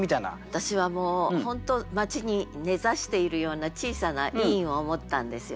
私はもう本当町に根ざしているような小さな医院を思ったんですよね。